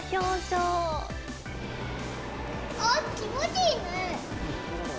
おっ、気持ちいいね。